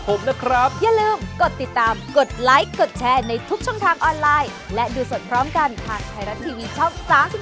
สวัสดีครับ